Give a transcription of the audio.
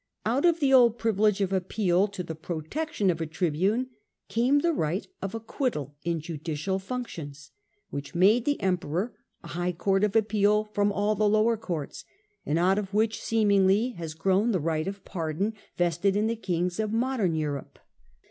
Out of the old privilege of appeal to the protection of a tri bune came the right of acquittal in judicial functions, which made the Emperor a high court of appeal from all the lower courts, and out of which seemingly has grown the right of pardon vested in the kings of modern Europe.